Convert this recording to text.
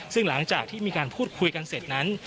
ซึ่งหลังจากที่มีการพูดคุยกันเสร็จนั้น